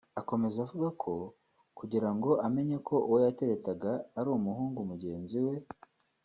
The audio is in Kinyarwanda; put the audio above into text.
Akomeza avuga ko kugira ngo amenye ko uwo yateretaga ari umuhungu mugenzi we